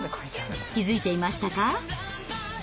気付いていましたか？